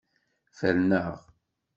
Ferneɣ.